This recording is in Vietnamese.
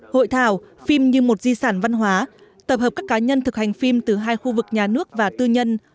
hội thảo phim như một di sản văn hóa tập hợp các cá nhân thực hành phim từ hai khu vực nhà nước và tư nhân